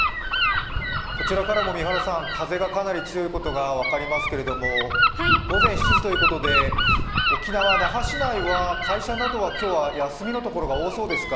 こちらからも三原さん、風がかなり強いことが分かりますけど、午前７時ということで沖縄・那覇市内は会社は休みのところが多いですか？